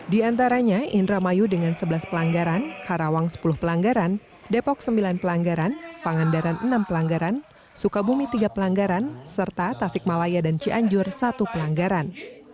di antaranya indramayu dengan sebelas pelanggaran karawang sepuluh pelanggaran depok sembilan pelanggaran pangandaran enam pelanggaran sukabumi tiga pelanggaran serta tasik malaya dan cianjur satu pelanggaran